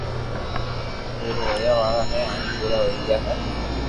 پور ھويا وارا ھي ھين پورا ھوئي گيا ھي